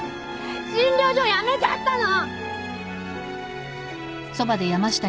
診療所辞めちゃったの。